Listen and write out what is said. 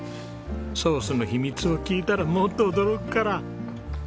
ソースの秘密を聞いたらもっと驚くから。